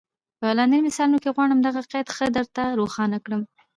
په لاندي مثالونو کي غواړم دغه قید ښه در ته روښان کړم.